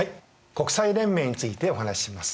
国際連盟についてお話します。